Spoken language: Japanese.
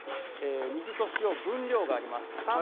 水と塩分量があります